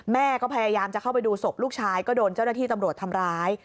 แม่ก็พยายามจะเข้าไปดูศพลูกชายก็โดนเจ้าหน้าที่ตำรวจทำร้าย